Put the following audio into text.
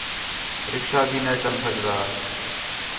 رکشہ بھی نے چَل سڳدا